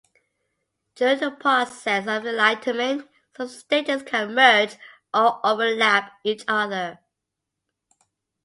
During the process of enlightenment, some stages can merge or overlap each other.